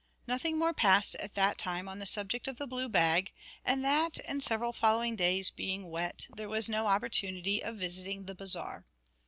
Nothing more passed at that time on the subject of the blue bag, and that and several following days being wet, there was no opportunity of visiting the Bazaar.